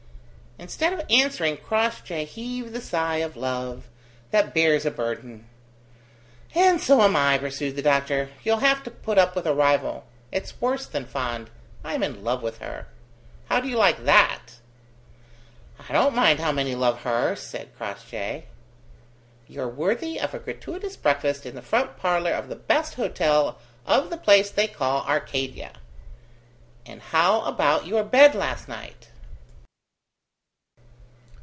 Instead of answering, Crossjay heaved the sigh of love that bears a burden. "And so am I," pursued the doctor: "You'll have to put up with a rival. It's worse than fond: I'm in love with her. How do you like that?" "I don't mind how many love her," said Crossjay. "You're worthy of a gratuitous breakfast in the front parlour of the best hotel of the place they call Arcadia. And how about your bed last night?"